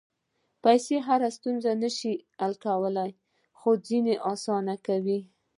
پېسې هره ستونزه نه شي حل کولی، خو ځینې اسانه کوي.